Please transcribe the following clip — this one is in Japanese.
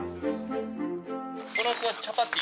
この子はチャパティ。